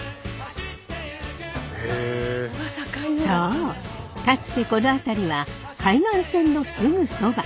そうかつてこの辺りは海岸線のすぐそば。